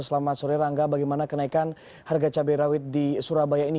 selamat sore rangga bagaimana kenaikan harga cabai rawit di surabaya ini